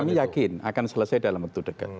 kami yakin akan selesai dalam waktu dekat